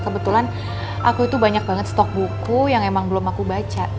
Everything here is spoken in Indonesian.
kebetulan aku itu banyak banget stok buku yang emang belum aku baca